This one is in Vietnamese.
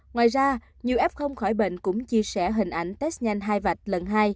ngoài ra nhiều f khỏi bệnh cũng chia sẻ hình ảnh test nhanh hai vạch lần hai